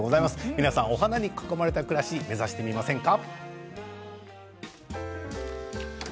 皆さん、お花に囲まれた暮らし目指してみませんか。